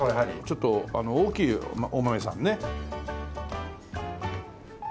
ちょっとあの大きいお豆さんね。